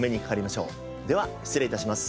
では失礼致します。